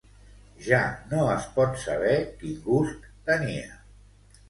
Ja no es pot saber quin gust tenia